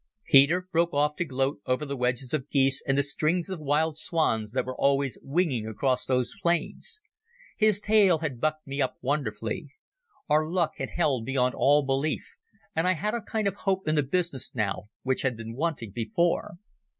Peter broke off to gloat over the wedges of geese and the strings of wild swans that were always winging across those plains. His tale had bucked me up wonderfully. Our luck had held beyond all belief, and I had a kind of hope in the business now which had been wanting before.